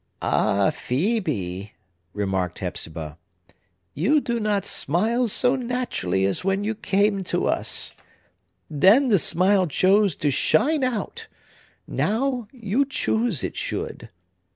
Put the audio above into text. "Ah, Phœbe!" remarked Hepzibah, "you do not smile so naturally as when you came to us! Then, the smile chose to shine out; now, you choose it should.